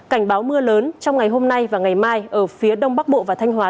cảnh báo mưa lớn trong ngày hôm nay và ngày mai ở phía đông bắc bộ và thanh hóa